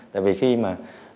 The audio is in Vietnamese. tại vì khi mà